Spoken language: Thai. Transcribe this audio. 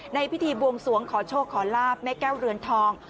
พิธีบวงสวงขอโชคขอลาบแม่แก้วเรือนทอง